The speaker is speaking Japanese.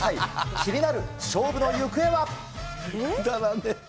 気になる勝負の行方は。